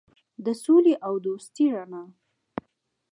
د سولې او دوستۍ رڼا.